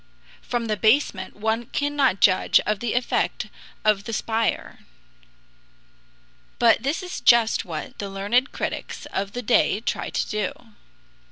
From the basement one cannot judge of the effect of the spire. But this is just what the learned critics of the day try to do.